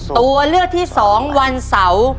ตัวเลือกที่๒วันเสาร์